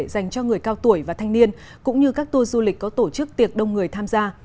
dành cho người cao tuổi và thanh niên cũng như các tour du lịch có tổ chức tiệc đông người tham gia